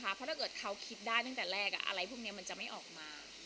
เพราะถ้าเกิดเขาคิดได้ตั้งแต่แรกอะไรพวกนี้มันจะไม่ออกมา